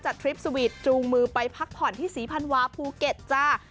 ทริปสวีทจูงมือไปพักผ่อนที่ศรีพันวาภูเก็ตจ้า